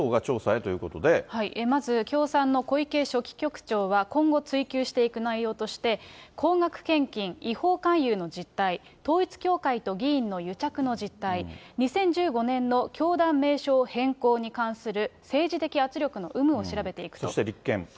まず、共産の小池書記局長は今後追及していく内容として、高額献金、違法勧誘の実態、統一教会と議員の癒着の実態、２０１５年の教団名称変更に関する政治的圧力の有無を調べていくそして立憲。